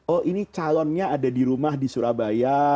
oh ini calonnya ada di rumah di surabaya